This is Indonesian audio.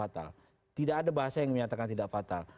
tidak ada bahasa yang menyatakan tidak fatal